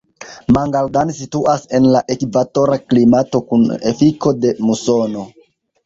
Mangaldan situas en la ekvatora klimato kun efiko de musono.